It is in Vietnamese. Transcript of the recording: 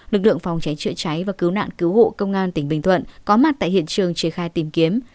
lực lượng phòng cháy chữa cháy và cứu nạn cứu hộ công an tỉnh bình thuận có mặt tại hiện trường triển khai tìm kiếm